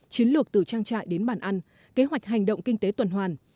chiến lược từ trang trại đến bàn ăn kế hoạch hành động kinh tế tuần hoàn